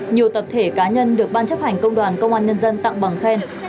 nhiều tập thể cá nhân được ban chấp hành công đoàn công an nhân dân tặng bằng khen